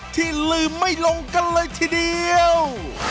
ที่ลืมไม่ลงกันเลยทีเดียว